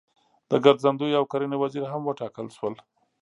د ګرځندوی او کرنې وزیر هم وټاکل شول.